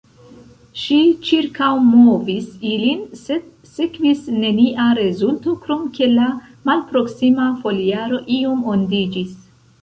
Ŝi ĉirkaŭmovis ilin sed sekvis nenia rezulto krom ke la malproksima foliaro iom ondiĝis.